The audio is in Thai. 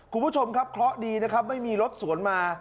คุณผู้ชมครับเคราะห์ดีนะครับไม่มีรถสวนมา